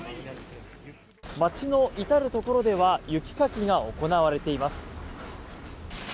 街の至るところでは雪かきが行われています。